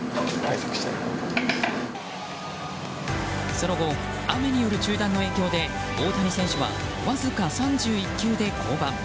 その後、雨による中断の影響で大谷選手はわずか３１球で降板。